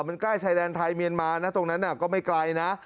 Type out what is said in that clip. มันใกล้ชายแดนไทยเมียนมานะตรงนั้นก็ไม่ไกลนะ